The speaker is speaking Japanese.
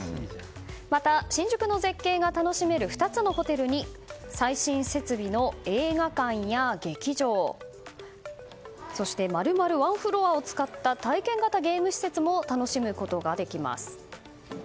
また、新宿の絶景が楽しめる２つのホテルに最新設備の映画館や劇場そして丸々ワンフロアを使った体験型ゲーム施設も楽しむことができます。